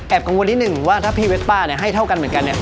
กังวลนิดนึงว่าถ้าพี่เวสป้าเนี่ยให้เท่ากันเหมือนกันเนี่ย